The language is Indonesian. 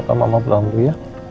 apa mama pelanggung ya